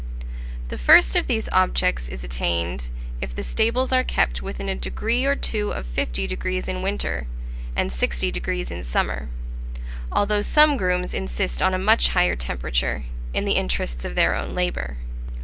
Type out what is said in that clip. The first of these objects is attained, if the stables are kept within a degree or two of 50° in winter, and 60° in summer; although some grooms insist on a much higher temperature, in the interests of their own labour.